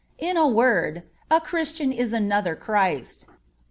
In a word, a Christian is another Christ.